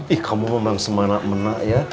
ih kamu memang semanak manak ya